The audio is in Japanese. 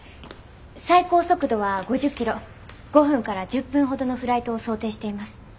最高速度は５０キロ５分から１０分ほどのフライトを想定しています。